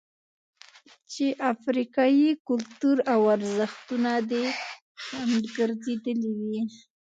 چې افریقايي کلتور او ارزښتونه دې خنډ ګرځېدلي وي.